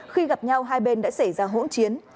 khi gặp nhau hai bên đã xảy ra hỗn chiến